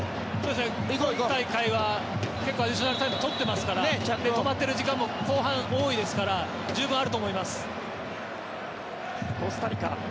今大会は結構アディショナルタイム取ってますから止まっている時間も後半、多いですから十分あると思います。